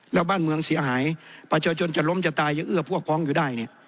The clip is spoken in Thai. แล้วบ้านเมืองเสียหายประชาชนจะล้มจะตายยังเอื้อพวกพ้องอยู่ได้เนี่ย